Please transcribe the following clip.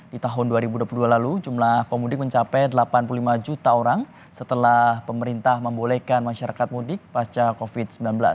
di tahun dua ribu dua puluh dua lalu jumlah pemudik mencapai delapan puluh lima juta orang setelah pemerintah membolehkan masyarakat mudik pasca covid sembilan belas